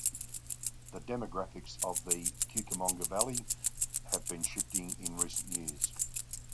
The demographics of the Cucamonga Valley have been shifting in recent years.